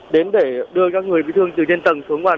đến để đưa các người bị thương từ trên tầng xuống ngoài